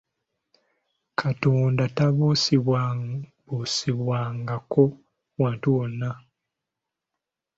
Katonda tabuusibwabuusibwangako wantu wonna.